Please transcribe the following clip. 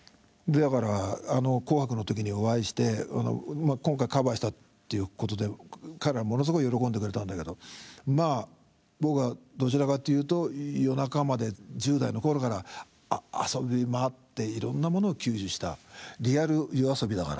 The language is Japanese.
だからあの「紅白」の時にお会いして今回カバーしたっていうことで彼らはものすごい喜んでくれたんだけどまあ僕はどちらかっていうと夜中まで１０代の頃から遊びまわっていろんなものを吸収したアハハハハハ。